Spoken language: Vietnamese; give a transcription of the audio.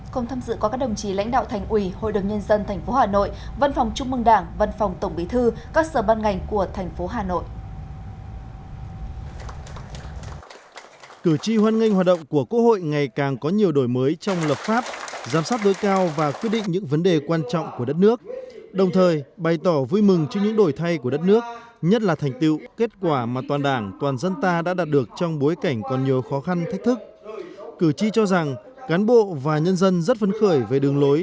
cùng tham dự có các đồng chí lãnh đạo thành ủy hội đồng nhân dân thành phố hà nội văn phòng trung mương đảng văn phòng tổng bí thư các sở ban ngành của thành phố hà nội